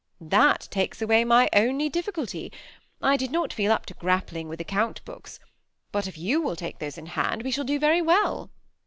^ That takes away my only diffi culty. I did not feel up to grappling with account books ; but if you will take those in hand, we shall do very well."